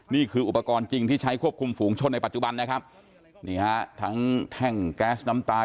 นี่คืออุปกรณ์จริงที่ใช้ควบคุมฝูงชนในปัจจุบันนะครับนี่ฮะทั้งแท่งแก๊สน้ำตา